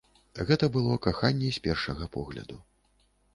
Гэта было каханне з першага погляду.